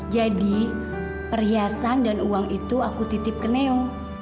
jadi perhiasan dan uang itu aku titip ke neo